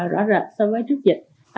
rõ rệt so với trước dịch